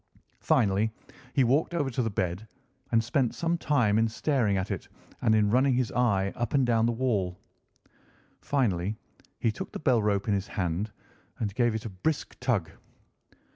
Finally he walked over to the bed and spent some time in staring at it and in running his eye up and down the wall. Finally he took the bell rope in his hand and gave it a brisk tug.